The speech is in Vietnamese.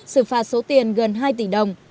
xử phạt số tiền gần hai tỷ đồng